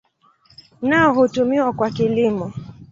Nao hutumiwa kwa kilimo.